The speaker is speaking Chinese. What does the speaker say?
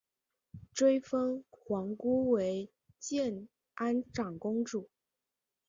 追封皇姑为建安长公主。